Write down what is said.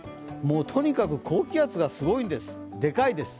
とにかく高気圧がすごいんです、でかいんです。